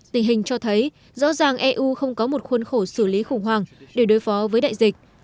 tình hình cho thấy rõ ràng eu không có một khuôn khổ xử lý khủng hoảng để đối phó với đại dịch